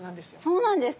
そうなんですか？